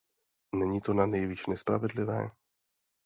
Není to nanejvýš nespravedlivé?